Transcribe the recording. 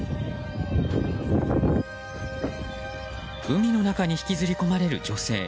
海の中に引きずり込まれる女性。